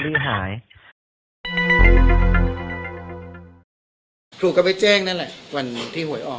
สวดทานท้านู่นนี่ให้ดีก่อน